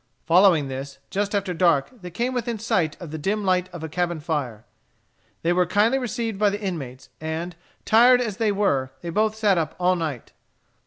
Following this, just after dark they came within sight of the dim light of a cabin fire. They were kindly received by the inmates, and, tired as they were, they both sat up all night.